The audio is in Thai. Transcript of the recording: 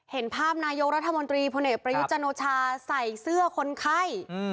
เห็นภาพนายกรัฐมนตรีพประยุจนโชภาใส่เสื้อคนไข้อืม